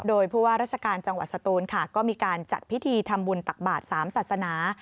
โดยผู้ว่าราชการจังหวัดสตูนค่ะก็มีการจัดพิธีทำบุญตักบาท๓ศาสนา